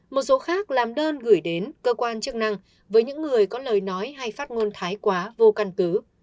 một số khác làm đơn gửi đến cơ quan chức năng với những người có lời nói hay phát ngôn thái quá vô căn cứ